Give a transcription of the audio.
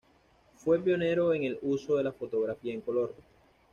Fue pionero en el uso de la fotografía en color.